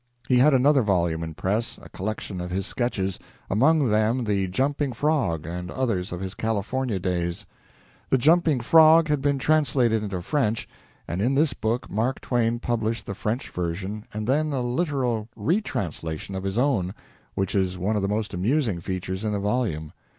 He had another volume in press a collection of his sketches among them the "Jumping Frog," and others of his California days. The "Jumping Frog" had been translated into French, and in this book Mark Twain published the French version and then a literal retranslation of his own, which is one of the most amusing features in the volume.